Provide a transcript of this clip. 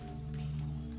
pak pak pak